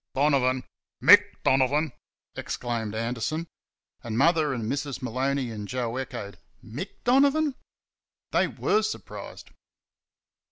"DONOVAN! MICK Donovan?" exclaimed Anderson. And Mother and Mrs. Maloney and Joe echoed "MICK Donovan?" They WERE surprised.